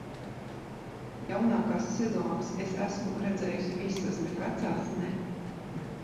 Jaunākās sezonas es esmu redzējusi visas, bet vecās, ne.